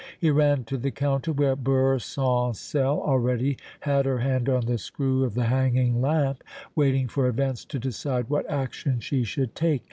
He ran to the counter, where Beurre Sans Sel already had her hand on the screw of the hanging lamp, waiting for events to decide what action she should take.